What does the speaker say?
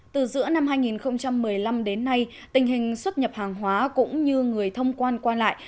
từ giữa năm hai nghìn một mươi năm đến nay tình hình xuất nhập hàng hóa cũng như người thông quan qua lại